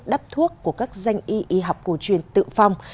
đắp thuốc của các danh y y học cổ truyền tự phong